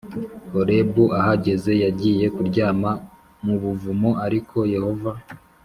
Horebu Ahageze yagiye kuryama mu buvumo Ariko Yehova